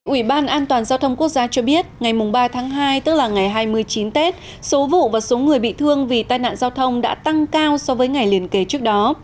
ủy ban an toàn giao thông quốc gia cho biết ngày ba tháng hai tức là ngày hai mươi chín tết số vụ và số người bị thương vì tai nạn giao thông đã tăng cao so với ngày liên kế trước đó